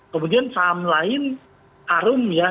kemudian saham lain harum ya